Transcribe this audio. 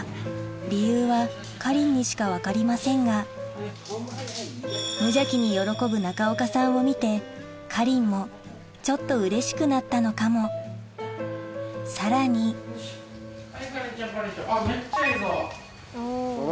理由はかりんにしか分かりませんが無邪気に喜ぶ中岡さんを見てかりんもちょっとうれしくなったのかもさらにはいかりんちゃんかりんちゃんあっ